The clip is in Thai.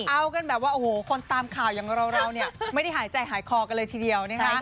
เอากันแบบว่าคนตามข่าวอย่างเราไม่ได้หายใจหายคอกันเลยทีเดียว